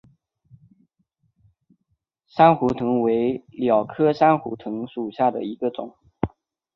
珊瑚藤为蓼科珊瑚藤属下的一个种。